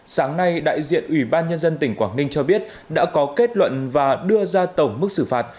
sáng nay đại diện ủy ban nhân dân tỉnh quảng ninh cho biết đã có kết luận và đưa ra tổng mức xử phạt